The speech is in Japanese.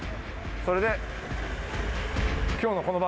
それで。